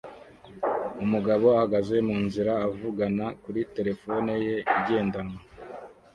Umugabo ahagaze munzira avugana kuri terefone ye igendanwa